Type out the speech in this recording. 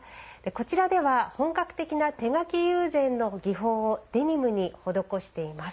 こちらでは、本格的な手描き友禅の技法をデニムに施しています。